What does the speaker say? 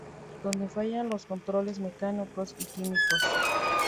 Donde fallan los controles mecánicos y químicos.